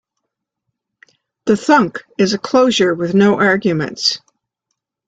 The thunk is a closure with no arguments.